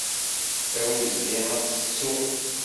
D awezɣi ad t-ttuɣ.